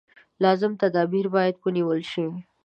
لازم تدابیر باید ونېول شي.